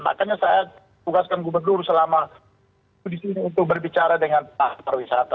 makanya saya tugaskan gubernur selama berbicara dengan para wisata